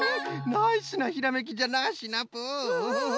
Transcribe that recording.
ナイスなひらめきじゃなシナプー！